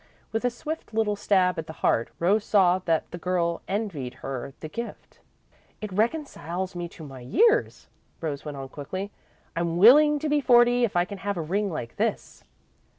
With a swift little stab at the heart, Rose saw that the girl envied her the gift. "It reconciles me to my years," Rose went on, quickly. "I'm willing to be forty, if I can have a ring like this."